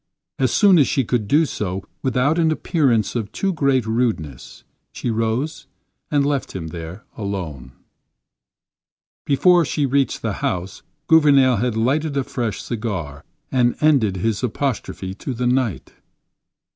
As soon as she could do so without an appearance of too great rudeness, she rose and left him there alone. Before she reached the house, Gouvernail had lighted a fresh cigar and ended his apostrophe to the night.